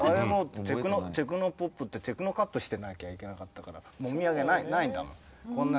テクノポップってテクノカットしてなきゃいけなかったからもみあげないんだもん。